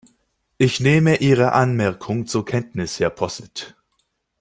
Ich nehme Ihre Anmerkung zur Kenntnis, Herr Posselt.